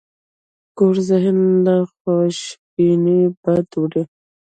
کوږ ذهن له خوشبینۍ بد وړي